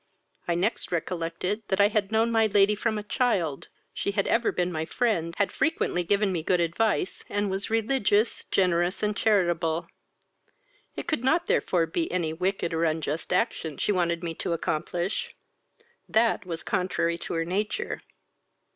I next recollected that I had known my lady from a child: she had ever been my friend, had frequently given me good advice, and was religious, generous, and charitable. It could not therefore be any wicked or unjust action she wanted me to accomplish; that was contrary to her nature.